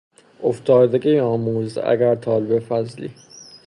افتادگی آموز اگر طالب فضلی